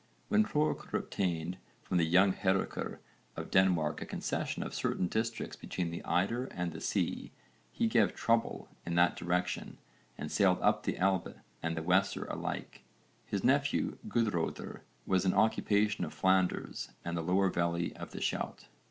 When Hroerekr obtained from the young Hárekr of Denmark a concession of certain districts between the Eider and the sea, he gave trouble in that direction and sailed up the Elbe and the Weser alike. His nephew Guðröðr was in occupation of Flanders and the lower valley of the Scheldt.